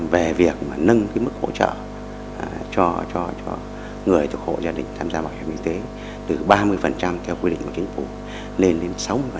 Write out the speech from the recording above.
về việc mà nâng mức hỗ trợ cho người thuộc hộ gia đình tham gia bảo hiểm y tế từ ba mươi theo quy định của chính phủ lên đến sáu mươi